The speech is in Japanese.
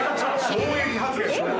衝撃発言！